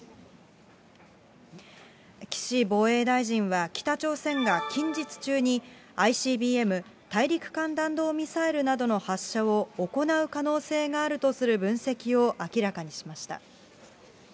岸防衛大臣は、北朝鮮が近日中にＩＣＢＭ・大陸間弾道ミサイルなどの発射を行う可能性があるとする分析を明らかにしました。